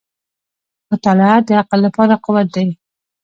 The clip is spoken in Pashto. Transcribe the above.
• مطالعه د عقل لپاره قوت دی.